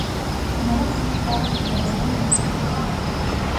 Та нараз він ударив себе долонею в чоло.